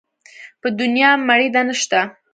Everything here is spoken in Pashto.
په دونيا مړېده نه شته.